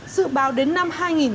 dự báo đến năm hai nghìn hai mươi